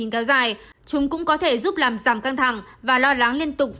kéo dài chúng cũng có thể giúp làm giảm căng thẳng và lo lắng liên tục